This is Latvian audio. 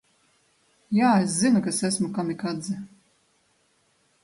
"Jā, es zinu, ka es esmu "kamikadze"."